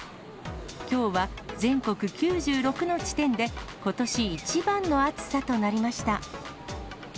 きょうは全国９６の地点で、ことし一番の暑さとなりました。